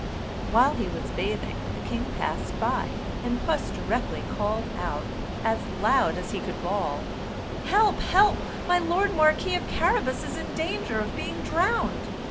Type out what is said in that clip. While he was bathing the king passed by, and puss directly called out as loud as he could bawl: "Help! help! My lord marquis of Carabas is in danger of being drowned!"